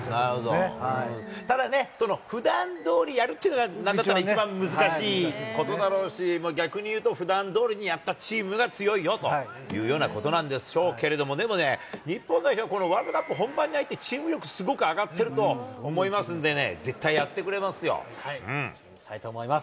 ただね、ふだんどおりやるというのがなんだったら一番難しいことだろうし、逆にいうと、ふだんどおりにやったチームが強いよというようなことなんでしょうけれども、でもね、日本代表、ワールドカップ本番に入って、チーム力すごく上がっていると思いますんでね、絶対やってくれま期待したいと思います。